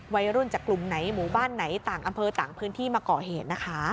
วัยรุ่นจากกลุ่มไหนหมู่บ้านไหนต่างอำเภอต่างพื้นที่มาก่อเหตุนะคะ